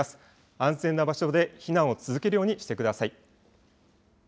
安全な場所で避難を続けるようにしてください。